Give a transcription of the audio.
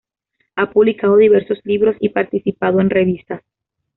Ha publicado diversos libros y participado en revistas.